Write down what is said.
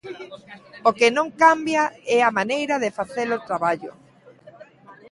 O que non cambia é a maneira de facelo traballo.